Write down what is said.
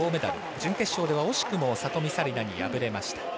準決勝では惜しくも里見紗李奈に敗れました。